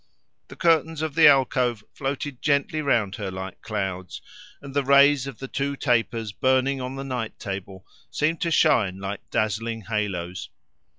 The curtains of the alcove floated gently round her like clouds, and the rays of the two tapers burning on the night table seemed to shine like dazzling halos.